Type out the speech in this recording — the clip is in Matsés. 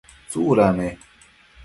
tsuda ne?